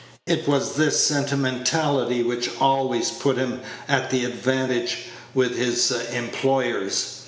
It was this sentimentality which always put him at an advantage with his employers.